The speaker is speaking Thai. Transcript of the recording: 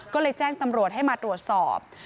ก็เลยแจ้งตำรวจให้มาตรวจสอบ